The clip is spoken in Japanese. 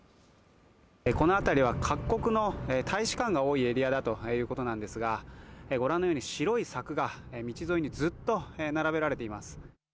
この辺りは各国の大使館が多いエリアだということなんですが、ご覧のように白い柵が道沿いにずっと並べられています。